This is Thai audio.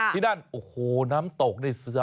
ที่ด้านโอ้โฮน้ำตกนี่